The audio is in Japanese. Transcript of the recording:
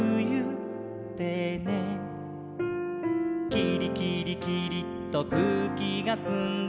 「キリキリキリっとくうきがすんで」